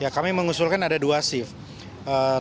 kami mengusulkan ada dua shift